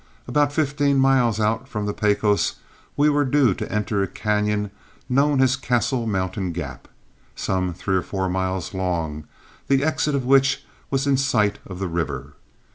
About fifteen miles out from the Pecos we were due to enter a cañon known as Castle Mountain Gap, some three or four miles long, the exit of which was in sight of the river.